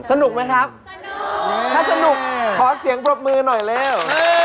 สนุกไหมครับถ้าสนุกขอเสียงปรบมือหน่อยเร็ว